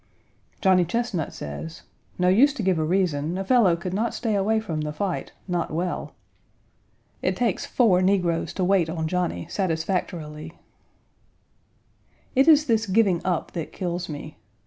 Johnny Chesnut says: "No use to give a reason a fellow could not stay away from the fight not well." It takes four negroes to wait on Johnny satisfactorily. ....................................... It is this giving up that kills me.